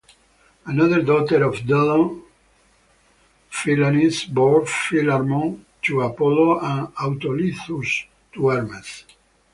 Another daughter of Deion, Philonis, bore Philammon to Apollo and Autolycus to Hermes.